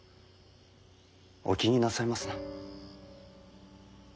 お気になさいますな。